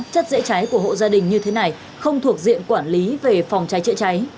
chất dễ cháy của hộ gia đình như thế này không thuộc diện quản lý về phòng cháy chữa cháy